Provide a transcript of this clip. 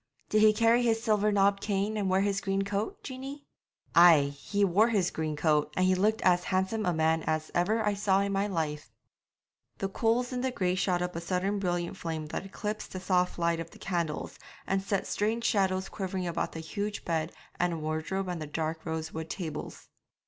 'Did he carry his silver knobbed cane and wear his green coat, Jeanie?' 'Ay, he wore his green coat, and he looked as handsome a man as ever I saw in my life.' The coals in the grate shot up a sudden brilliant flame that eclipsed the soft light of the candles and set strange shadows quivering about the huge bed and wardrobe and the dark rosewood tables.